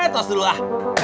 tos dulu ah